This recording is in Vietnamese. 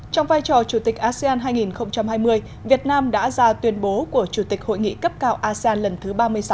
trong vai trò chủ tịch asean hai nghìn hai mươi việt nam đã ra tuyên bố của chủ tịch hội nghị cấp cao asean lần thứ ba mươi sáu